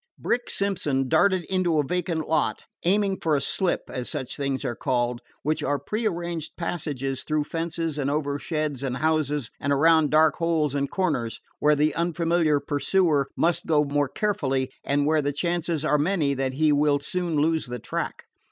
Brick Simpson darted into a vacant lot, aiming for a "slip," as such things are called which are prearranged passages through fences and over sheds and houses and around dark holes and corners, where the unfamiliar pursuer must go more carefully and where the chances are many that he will soon lose the track.